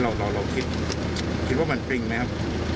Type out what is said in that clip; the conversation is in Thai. เราคิดคิดว่ามันจริงไหมครับ